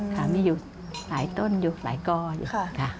ค่ะมีอยู่หลายต้นอยู่หลายก้อนค่ะ